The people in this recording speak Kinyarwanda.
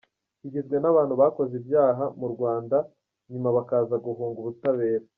Kigizwe n’abantu bakoze ibyaha mu Rwanda nyuma bakaza guhunga ubutabera.